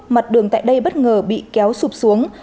mặt đường tại đây bất ngờ bị kéo sụp xuống